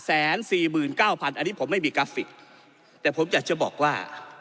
อันนี้ผมไม่มีกราฟิกแต่ผมอยากจะบอกว่า